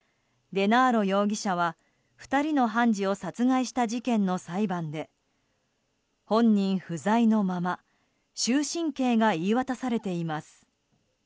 デナーロ容疑者は２人の判事を殺害した事件の裁判で本人不在のまま終身刑が言い渡されています。